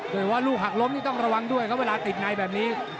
แต่ว่าลูกหักล้มนี่ต้องระวังด้วยครับเวลาติดในแบบนี้